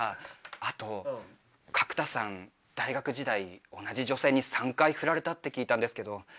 あと角田さん大学時代同じ女性に３回フラれたって聞いたんですけど。